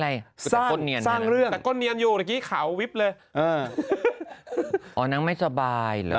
แต่ก้นเนียนอยู่เดี๋ยวกี้ขาววิบเลย